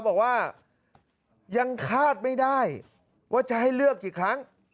บอกว่ายังคาดไม่ได้ว่าจะให้เลือกกี่ครั้ง